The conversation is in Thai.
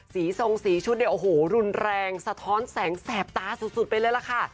ทรงสีชุดเนี่ยโอ้โหรุนแรงสะท้อนแสงแสบตาสุดไปเลยล่ะค่ะ